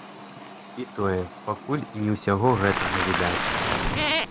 І тое, пакуль і не ўсяго гэтага відаць.